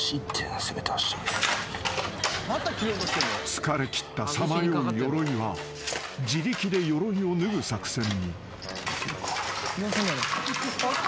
［疲れきったさまようヨロイは自力でヨロイを脱ぐ作戦に］